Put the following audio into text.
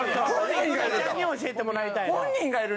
久美ちゃんに教えてもらいたいの。